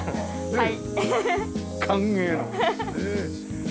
はい。